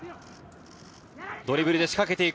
ドリブルで仕掛けていく！